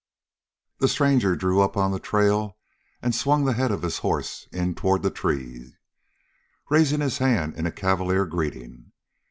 The stranger drew up on the trail and swung the head of his horse in toward the tree, raising his hand in cavalier greeting.